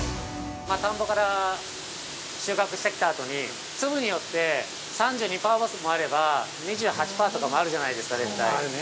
◆田んぼから収穫してきたあとに粒によって、３２％もあれば２８％とかもあるじゃないですか絶対。